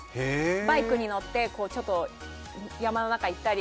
バイクに乗って、山の中へ行ったり。